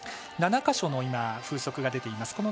７か所の風速が出ています。